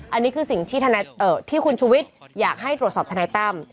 อันนี้คือสิ่งที่คุณชุวิตอยากให้ตรวจสอบทนายตั้ม